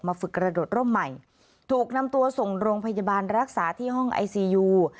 ฝึกกระโดดร่มใหม่ถูกนำตัวส่งโรงพยาบาลรักษาที่ห้องไอซียู